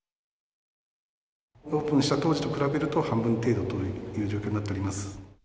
オープンした当時と比べると、半分程度という状況になっております。